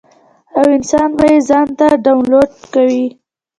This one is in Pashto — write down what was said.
او انسان به ئې ځان ته ډاونلوډ کوي -